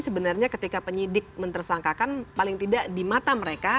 sebenarnya ketika penyidik mentersangkakan paling tidak di mata mereka